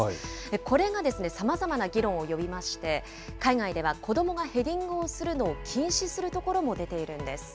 これがさまざまな議論を呼びまして、海外では子どもがヘディングをするのを禁止するところも出ているんです。